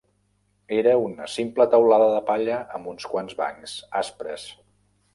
Era una simple teulada de palla amb uns quants bancs aspres.